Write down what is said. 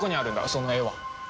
その絵は。